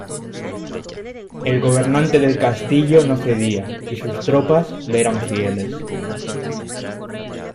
El gobernante del castillo no cedía y sus tropas le eran fieles.